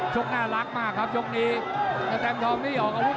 โชคน่ารักมากครับโชคนี่